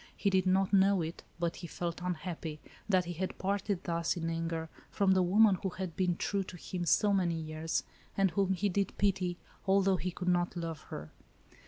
He did not know it, but he felt unhappy, that he had parted thus, in anger, from the woman, who had been true to him, so many years, and whom he did pity, although he could not love her.